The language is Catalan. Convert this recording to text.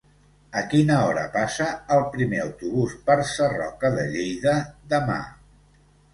A quina hora passa el primer autobús per Sarroca de Lleida demà?